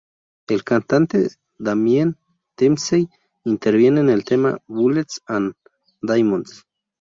El cantante Damien Dempsey interviene en el tema ""Bullets and Diamonds"".